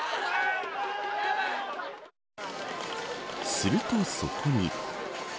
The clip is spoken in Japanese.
するとそこに。